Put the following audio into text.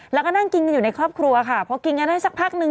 แล้วก็นั่งกินอยู่ในครอบครัวค่ะเพราะกินงานให้สักพักนึง